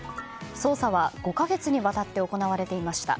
捜査は５か月にわたって行われていました。